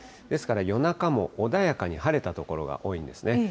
ですから夜中も穏やかに晴れた所が多いんですね。